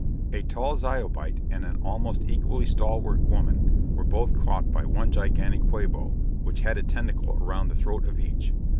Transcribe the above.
A tall Zyobite and an almost equally stalwart woman were both caught by one gigantic Quabo which had a tentacle around the throat of each.